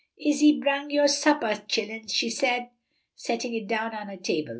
"Ise brung yo' suppah, chillens," she said, setting it down on a table.